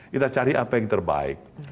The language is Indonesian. kita cari apa yang terbaik